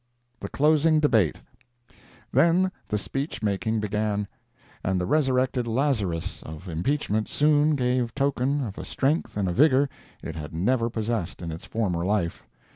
THE CLOSING DEBATE Then the speech making began, and the resurrected Lazarus of impeachment soon gave token of a strength ard a vigor it had never possessed in its former life.